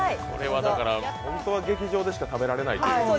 これは本当は劇場でしか食べられないという。